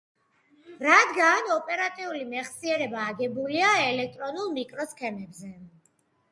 რადგან ოპერატიული მეხსიერება აგებულია ელექტრონულ მიკროსქემებზე,